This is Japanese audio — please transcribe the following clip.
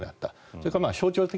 それから、象徴的